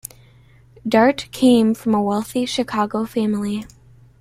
Dart came from a wealthy Chicago family.